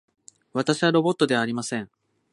私はロボットではありません